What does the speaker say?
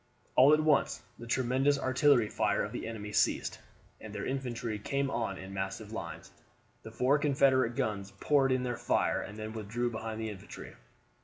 All at once the tremendous artillery fire of the enemy ceased, and their infantry came on in massive lines. The four Confederate guns poured in their fire and then withdrew behind the infantry.